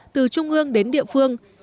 từ trung ương đến địa phương